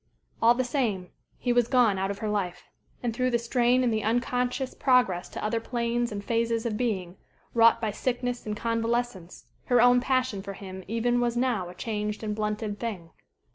All the same, he was gone out of her life, and through the strain and the unconscious progress to other planes and phases of being, wrought by sickness and convalescence, her own passion for him even was now a changed and blunted thing.